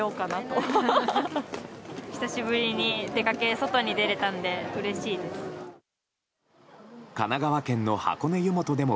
久しぶりに外に出れたのでうれしいです。